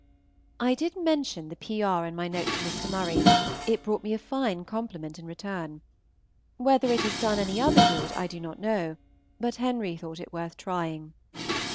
I did mention the P. R. in my note to Mr. Murray; it brought me a fine compliment in return. Whether it has done any other good I do not know, but Henry thought it worth trying.